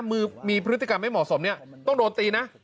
มือมีพฤติกรรมไม่เหมาะสมเนี่ยต้องโดนตีนะ